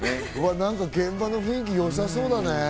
現場の雰囲気よさそうだね。